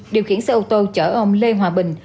điều khiển xe ô tô chở ông lê hòa bình